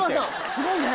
すごいね。